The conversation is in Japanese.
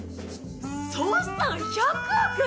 総資産１００億⁉